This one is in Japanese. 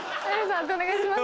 判定お願いします。